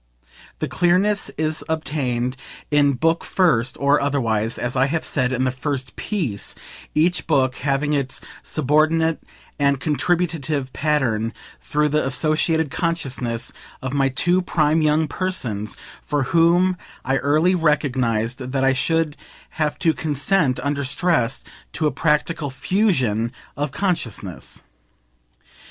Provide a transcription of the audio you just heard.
The clearness is obtained in Book First or otherwise, as I have said, in the first "piece," each Book having its subordinate and contributive pattern through the associated consciousness of my two prime young persons, for whom I early recognised that I should have to consent, under stress, to a practical FUSION of consciousness.